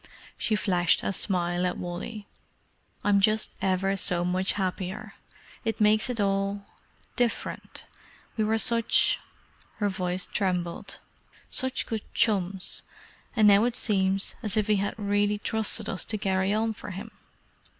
She flashed a smile at Wally. "I'm just ever so much happier. It makes it all—different. We were such—" her voice trembled—"such good chums, and now it seems as if he had really trusted us to carry on for him."